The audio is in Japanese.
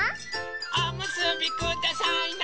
おむすびくださいな！